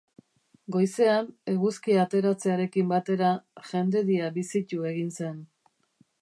Goizean, eguzkia ateratzearekin batera, jendedia bizitu egin zen.